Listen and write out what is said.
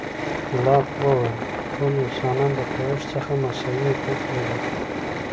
لاک وویل، ټول انسانان د پیدایښت څخه مساوي حقوق لري.